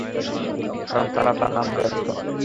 কারণ তারা তার নাম জানত না।